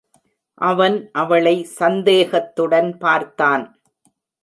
அவன் அவளை சந்தேகத்துடன் பார்த்தான்.